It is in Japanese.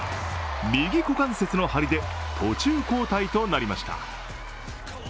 右股関節の張りで途中交代となりました。